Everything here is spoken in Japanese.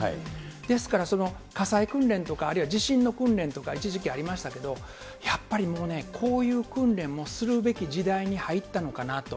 ですから、火災訓練とか、あるいは地震の訓練とか一時期ありましたけれども、やっぱりもうね、こういう訓練もするべき時代に入ったのかなと。